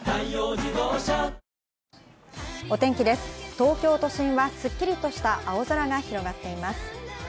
東京都心はすっきりとした青空が広がっています。